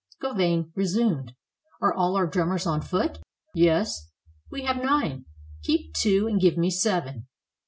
Gauvain resumed, "Are all our drummers on foot?" "Yes." "We have nine. Keep two, and give me seven."